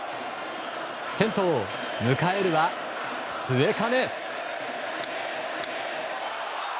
先頭、迎えるは末包。